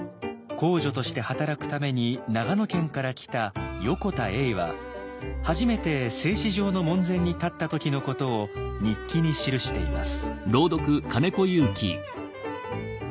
工女として働くために長野県から来た横田英は初めて製糸場の門前に立った時のことを日記に記しています。